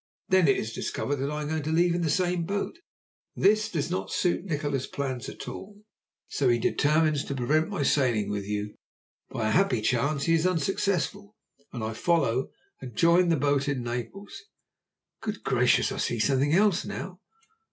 Then it is discovered that I am going to leave in the same boat. This does not suit Nikola's plans at all, so he determines to prevent my sailing with you. By a happy chance he is unsuccessful, and I follow and join the boat in Naples. Good gracious! I see something else now."